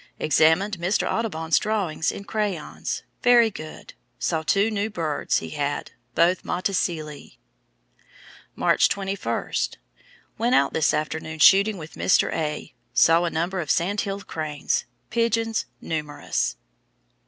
Examined Mr. 's [Audubon's] drawings in crayons very good. Saw two new birds he had, both Motacillae." March 21. "Went out this afternoon shooting with Mr. A. Saw a number of Sandhill cranes. Pigeons numerous."